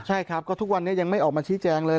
ใช่ครับก็ทุกวันนี้ยังไม่ออกมาชี้แจงเลย